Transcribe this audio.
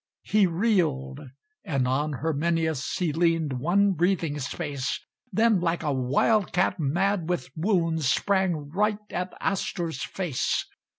He reeled, and on Herminius He leaned one breathing space; Then, like a wild cat mad with wounds, Sprang right at Astur's face.